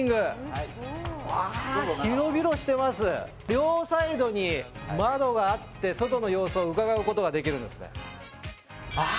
両サイドに窓があって、外の様子をうかがうことができるんですね。